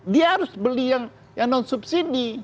dia harus beli yang non subsidi